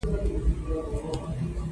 انار د افغانستان د شنو سیمو ښکلا ده.